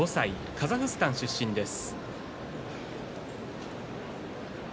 カザフスタン出身です。